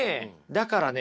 だからね